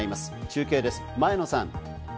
中継です、前野さん。